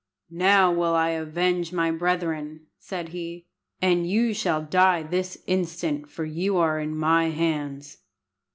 "Now will I avenge my brethren," said he, "and you shall die this instant, for you are in my hands."